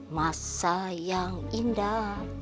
masa yang indah